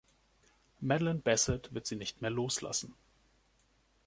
Madeline Bassett wird Sie nicht mehr loslassen.